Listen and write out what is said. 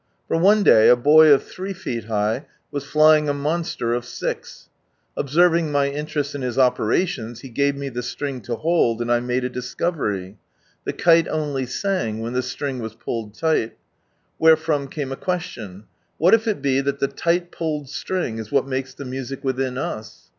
For one day a boy of three feet high was flying a monster of six : observing my interest in his operations, he gave me the siring to hold, and I made a discovery. The kite only sang when the string was puUeil tight. Wherefrom came a question, — what if it be that the light pulled siring is what makes the music wiihin us?